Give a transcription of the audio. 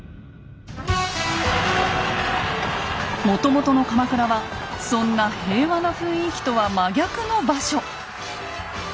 もともとの鎌倉はそんな平和な雰囲気とは真逆の場所。